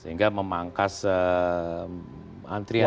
sehingga memangkas antrian